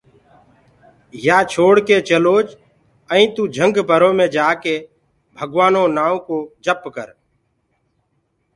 يآ ڇوڙڪي چلوج ائيٚنٚ توٚ جهنگ برو مي جآڪي ڀگوآنو نآئونٚ ڪو جپ ڪر